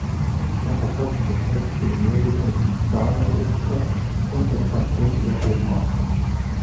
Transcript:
Er verfasste den Text zu den Musicals Starlight Express und Das Phantom der Oper.